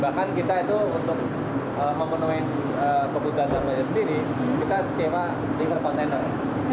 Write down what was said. bahkan kita itu untuk memenuhi kebutuhan sampahnya sendiri kita sewa river container